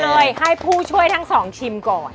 เลยให้ผู้ช่วยทั้งสองชิมก่อน